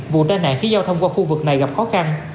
vụ tai nạn khiến giao thông qua khu vực này gặp khó khăn